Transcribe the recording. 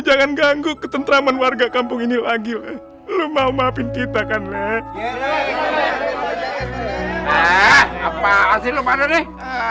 jangan ganggu ketentraman warga kampung ini lagi lu mau maafin kita kan leh apa sih lu pada deh